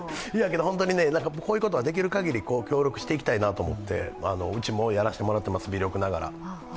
こういうことはできる限り協力していきたいなと思って、うちもやらせてもらってます、微力ながら。